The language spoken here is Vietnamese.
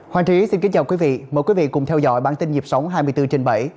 hoàng trí xin kính chào quý vị mời quý vị cùng theo dõi bản tin nhịp sống hai mươi bốn trên bảy